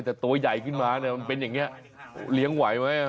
แต่ตัวใหญ่ขึ้นมาเนี่ยมันเป็นอย่างนี้เลี้ยงไหวไหม